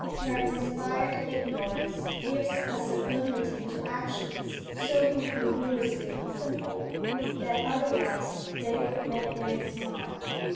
Her inspired ignorance gives a sublimity to actions so incongruously simple, that otherwise they would make men smile.